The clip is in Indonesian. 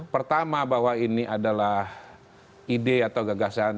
pertama bahwa ini adalah ide atau gagasan